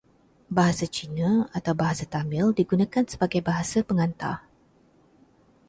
Bahasa Cina atau Bahasa Tamil digunakan sebagai bahasa pengantar.